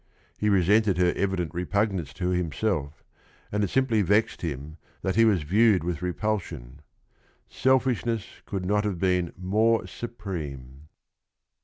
He resented her evident repugnance to himself and it simply vexed him that he was viewed with repulsion. Selfishness could not have been more supreme.